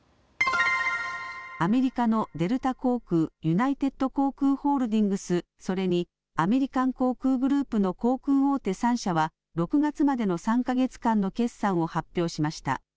アメリカのデルタ航空、ユナイテッド航空ホールディングス、それにアメリカン航空グループの航空大手３社は６月までの３か月間の決算を発表しました。